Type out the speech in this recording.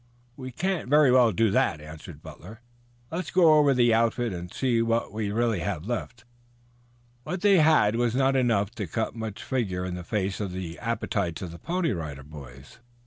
"We can't very well do that," answered Butler. "Let's go over the outfit and see what we really have left." What they had was not enough to cut much figure in the face of the appetites of the Pony Rider Boys.